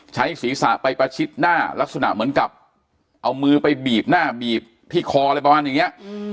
ใช้ศีรษะไปประชิดหน้าลักษณะเหมือนกับเอามือไปบีบหน้าบีบที่คออะไรประมาณอย่างนี้